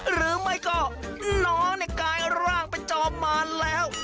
หรือไม่ก็น้องกายร่างเป็นจอมมาแล้ว